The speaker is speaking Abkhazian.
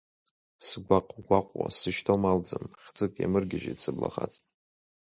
Сгәаҟ-гәаҟуа сзышьҭоу малӡам хьӡык иамыргьежьит сыблахаҵ.